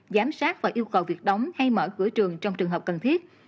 giám sát và yêu cầu việc đóng hay mở cửa trường trong trường hợp cần thiết